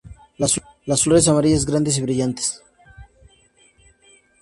Las flores amarillas grandes y brillantes.